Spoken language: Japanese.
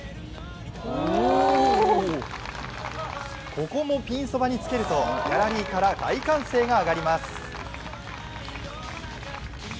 ここもピンそばにつけるとギャラリーから大歓声が上がります。